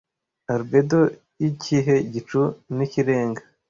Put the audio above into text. Albedo yikihe gicu nikirenga